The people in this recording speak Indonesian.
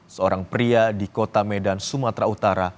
seorang pria di kota medan sumatera utara